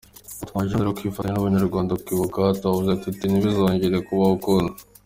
Twaje hano rero kwifatanya n’Abanyarwanda kwibuka, turavuze tuti ntibizongere kubaho ukundi’”.